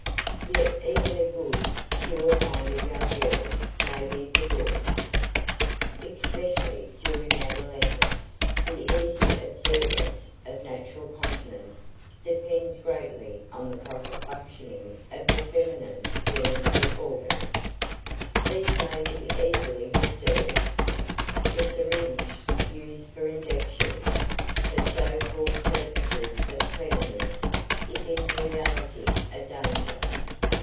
Yet even a good, pure minded young girl may be debauched. Especially during adolescence, the easy observance of natural continence depends greatly on the proper functioning of the feminine genital organs. These may be easily disturbed. The syringe used for injections, for so called purposes of cleanliness, is in reality a danger.